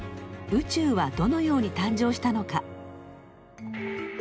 宇宙はどのように誕生したのか。